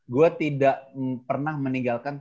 gue tidak pernah meninggalkan